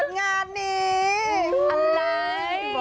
ส่วนงานนี่